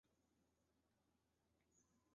华域克及洛达取得来届荷甲参赛席位。